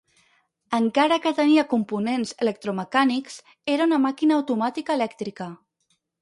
Encara que tenia components electromecànics era una màquina automàtica elèctrica.